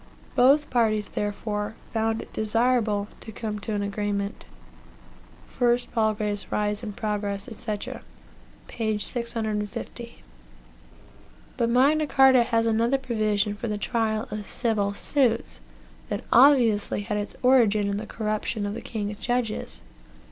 Both parties. therefore, found it desirable to come to an agreement." 1 Palgrave's Rise and Progress, &c., p. 650. But Magna Carta has another provision for the trial of civil suits, that obviously had its origin in the corruption of the king's judges.